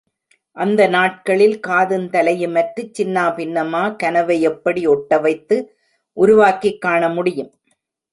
அந்த நாட்களில் காதுந் தலையுமற்றுச் சின்னபின்னமா கனவை எப்படி ஒட்டவைத்து உருவாக்கிக் காணமுடியும்?